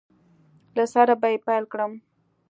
له سره به یې پیل کړم